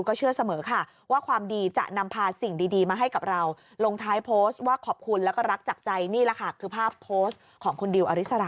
โปรดติดตามตอนต่อไป